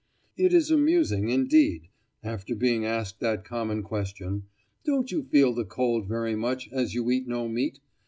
It is amusing, indeed, after being asked that common question, "Don't you feel the cold very much, as you eat no meat?"